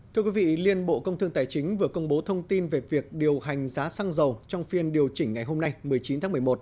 thưa quý vị liên bộ công thương tài chính vừa công bố thông tin về việc điều hành giá xăng dầu trong phiên điều chỉnh ngày hôm nay một mươi chín tháng một mươi một